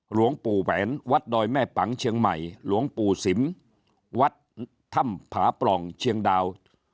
หลวงปู่แหวนวัดดอยแม่ปังเชียงใหม่หลวงปู่สิมวัดถ้ำผาปล่องเชียงดาว